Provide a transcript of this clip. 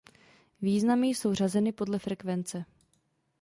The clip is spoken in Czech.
Významy jsou řazeny podle frekvence.